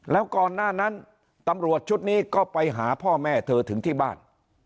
แล้วก่อนหน้านั้นตำรวจชุดนี้ก็ไปหาพ่อแม่เธอถึงที่บ้าน